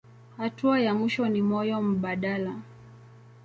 Hatua ya mwisho ni moyo mbadala.